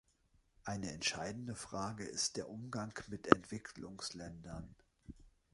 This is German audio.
Eine entscheidende Frage ist der Umgang mit Entwicklungsländern.